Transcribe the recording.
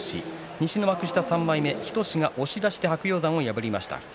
西の幕下３枚目日翔志が押し出しで白鷹山を破りました。